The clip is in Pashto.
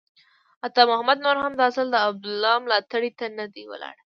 عطا محمد نور هم دا ځل د عبدالله ملاتړ ته نه دی ولاړ.